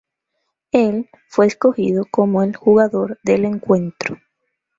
Él fue escogido como el jugador del encuentro.